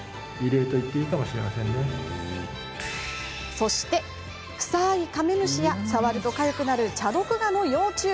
そして、臭いカメムシや触るとかゆくなるチャドクガの幼虫。